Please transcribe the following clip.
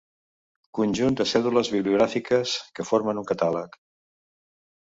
Conjunt de cèdules bibliogràfiques que formen un catàleg.